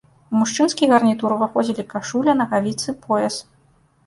У мужчынскі гарнітур уваходзілі кашуля, нагавіцы, пояс.